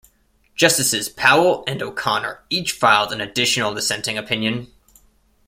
Justices Powell and O'Connor each filed an additional dissenting opinion.